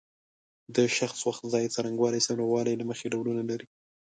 د شخص وخت ځای څرنګوالی څومره والی له مخې ډولونه لري.